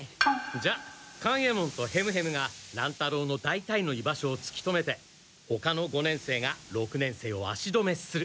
じゃ勘右衛門とヘムヘムが乱太郎のだいたいの居場所をつき止めてほかの五年生が六年生を足止めする。